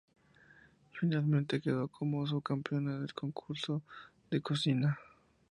Finalmente quedó como subcampeona del concurso de cocina.